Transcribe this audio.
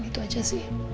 itu aja sih